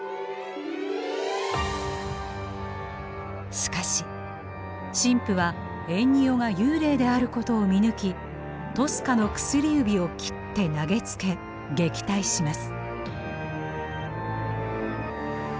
しかし神父はエンニオが幽霊であることを見抜きトスカの薬指を切って投げつけ撃退します。